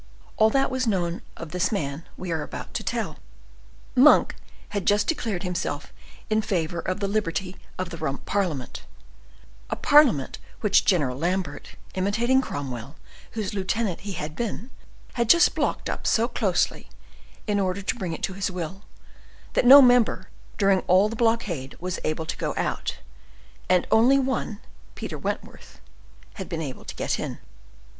All that was known of this man we are about to tell. Monk had just declared himself in favor of the liberty of the Rump Parliament, a parliament which General Lambert, imitating Cromwell, whose lieutenant he had been, had just blocked up so closely, in order to bring it to his will, that no member, during all the blockade, was able to go out, and only one, Peter Wentworth, had been able to get in.